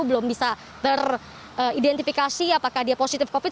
belum bisa teridentifikasi apakah dia positif covid